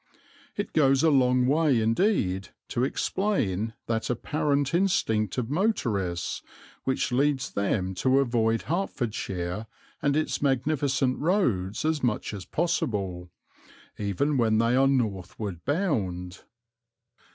It goes a long way indeed to explain that apparent instinct of motorists which leads them to avoid Hertfordshire and its magnificent roads as much as possible, even when they are northward bound.